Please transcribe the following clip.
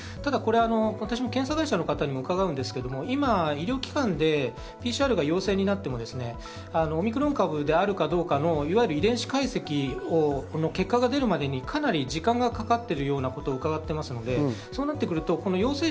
私も検査会社の方に伺うんですが医療機関でＰＣＲは陽性になってもオミクロン株であるかどうかの遺伝子解析を結果が出るまで、かなり時間がかかっているようなことを伺っています。